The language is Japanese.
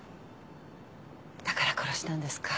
だから殺したんですか？